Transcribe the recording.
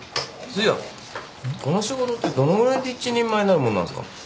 そういやこの仕事ってどのぐらいで一人前になるもんなんすか？